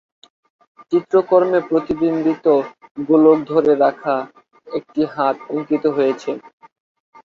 চিত্রকর্মে প্রতিবিম্বিত গোলক ধরে রাখা একটি হাত অঙ্কিত হয়েছে।